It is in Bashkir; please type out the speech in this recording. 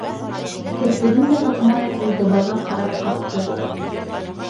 Керпеген дә ҡаҡмай, Юлдыбайға ҡарап ҡатты.